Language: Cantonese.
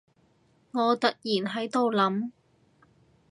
我突然喺度諗